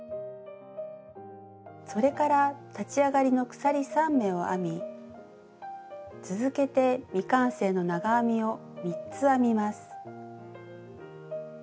それから立ち上がりの鎖３目を編み続けて未完成の長編みを３つ編みます。